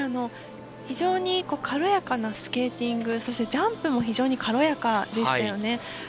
非常に軽やかなスケーティングそしてジャンプも非常に軽やかでしたよね。